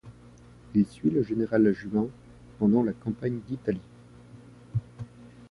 Il suit le général Juin pendant la campagne d'Italie.